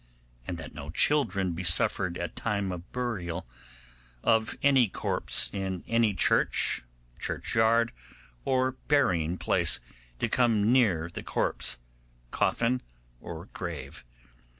And that no children be suffered at time of burial of any corpse in any church, churchyard, or burying place to come near the corpse, coffin, or grave.